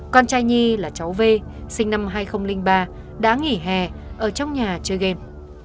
con trai nhi là cháu v sinh năm hai nghìn ba đã nghỉ hè ở trong nhà chơi game